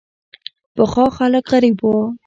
پخوا خلک غریب وو.